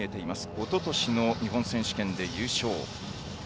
おととしの日本選手権で優勝しています。